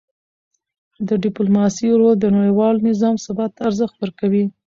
د ډیپلوماسی رول د نړیوال نظام ثبات ته ارزښت ورکوي.